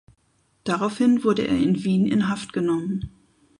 Daraufhin wurde er in Wien in Haft genommen.